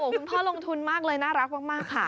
คุณพ่อลงทุนมากเลยน่ารักมากค่ะ